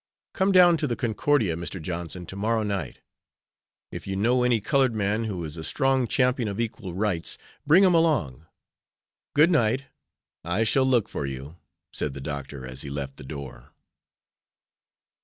Come down to the Concordia, Mr. Johnson, to morrow night. If you know any colored man who is a strong champion of equal rights, bring him along. Good night. I shall look for you," said the doctor, as he left the door.